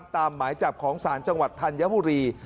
ตามหมายจับของสารจังหวัดธันยบุรี